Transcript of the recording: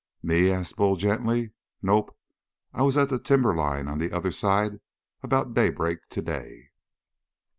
"Me?" asked Bull gently. "Nope. I was at the timberline on the other side about daybreak today."